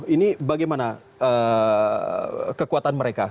ini bagaimana kekuatan mereka